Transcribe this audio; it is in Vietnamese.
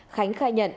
khánh khai nhận